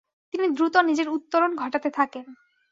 তিনি দ্রুত নিজের উত্তরণ ঘটাতে থাকেন।